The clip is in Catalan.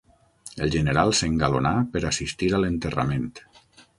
El general s'engalonà per assistir a l'enterrament.